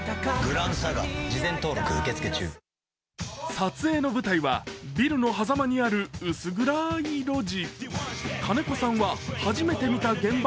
撮影の舞台はビルのはざまにある薄暗い路地。